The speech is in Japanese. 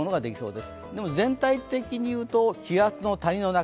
でも全体的に言うと気圧の谷の中。